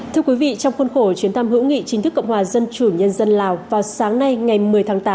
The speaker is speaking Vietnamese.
thưa quý vị trong khuôn khổ chuyến thăm hữu nghị chính thức cộng hòa dân chủ nhân dân lào vào sáng nay ngày một mươi tháng tám